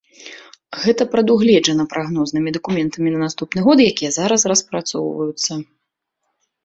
Гэта прадугледжана прагнознымі дакументамі на наступны год, якія зараз распрацоўваюцца.